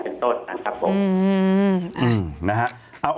เป็นต้นครับผม